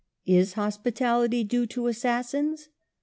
Is hospi tality due to assassins